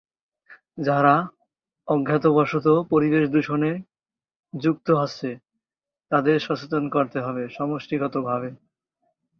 যারা অজ্ঞতাবশত পরিবেশ দূষণে যুক্ত হচ্ছে তাদের সচেতন করতে হবে সমষ্টিগতভাবে।